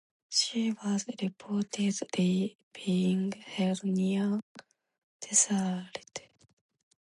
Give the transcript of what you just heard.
She was reportedly being held near Tessalit.